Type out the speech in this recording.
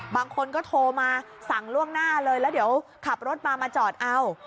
บางคนก็โทรมาสั่งล่วงหน้าเลยแล้วเดี๋ยวขับรถมามาจอดเอา